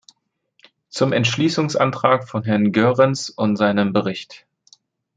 Zum Entschließungsantrag von Herrn Goerens und seinem Bericht.